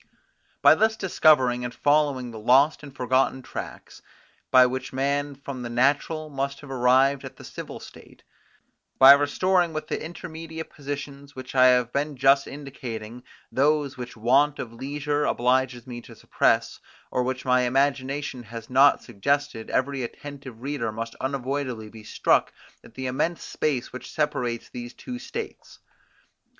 By thus discovering and following the lost and forgotten tracks, by which man from the natural must have arrived at the civil state; by restoring, with the intermediate positions which I have been just indicating, those which want of leisure obliges me to suppress, or which my imagination has not suggested, every attentive reader must unavoidably be struck at the immense space which separates these two states.